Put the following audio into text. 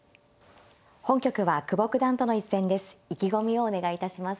本局は久保九段との一戦です。